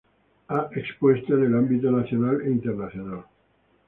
Ha expuesto en el ámbito Nacional e Internacional.